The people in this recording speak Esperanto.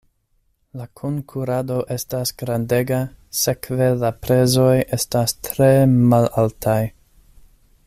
La konkurado estas grandega, sekve la prezoj estas tre malaltaj.